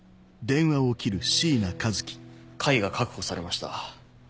甲斐が確保されました。